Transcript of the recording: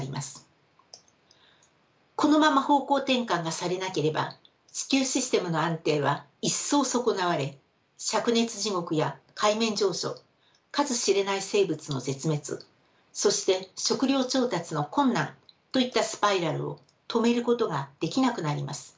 このまま方向転換がされなければ地球システムの安定は一層損なわれしゃく熱地獄や海面上昇数知れない生物の絶滅そして食料調達の困難といったスパイラルを止めることができなくなります。